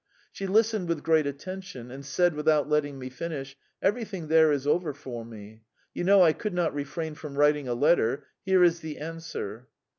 She listened with great attention, and said without letting me finish: "Everything there is over for me. You know, I could not refrain from writing a letter. Here is the answer."